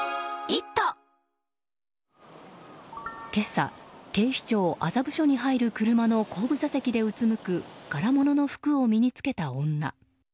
今朝、警視庁麻布署に入る車の後部座席でうつむく柄物の服を身に着けた女。